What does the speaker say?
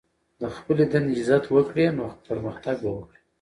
د خپلي دندې عزت وکړئ، نو پرمختګ به وکړئ!